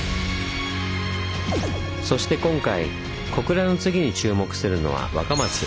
そして今回小倉の次に注目するのは若松。